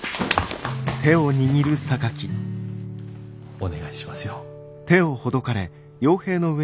お願いしますよ。